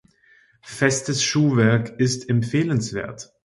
Festes Schuhwerk ist empfehlenswert.